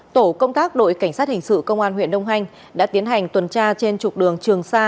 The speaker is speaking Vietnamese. tổ công tác đội cảnh sát hình sự công an huyện đông hanh đã tiến hành tuần tra trên trục đường trường sa